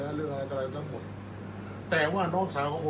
อันไหนที่มันไม่จริงแล้วอาจารย์อยากพูด